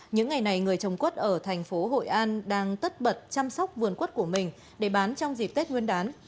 những ngày này người trồng quất ở thành phố hội an đang tất bật chăm sóc vườn quất của mình để bán trong dịp tết nguyên đán